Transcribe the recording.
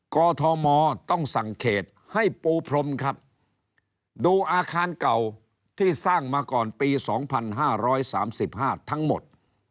กอทมต้องสั่งเขตให้ปูพรมครับดูอาคารเก่าที่สร้างมาก่อนปี๒๕๓๕ทั้งหมด